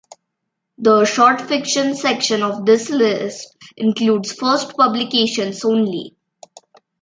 The Shortfiction section of this list includes first publications only.